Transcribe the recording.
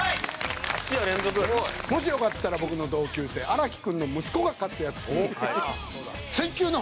もしよかったら僕の同級生荒木君の息子が活躍する。